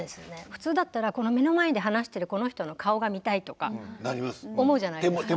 普通だったら目の前で話してるこの人の顔が見たいとか思うじゃないですか。